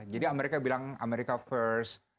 jadi amerika bilang america first